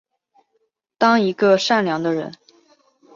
当一个善良的人